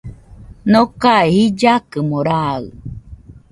Nokae jillakɨmo raɨ